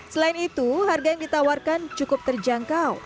selain itu harga yang ditawarkan cukup terjangkau